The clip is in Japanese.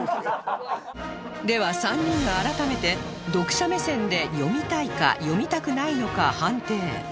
では３人が改めて読者目線で読みたいか読みたくないのか判定